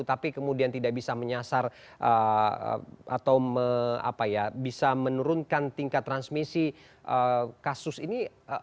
tapi kemudian tidak bisa menyasar atau bisa menurunkan tingkat transmisi kasus ini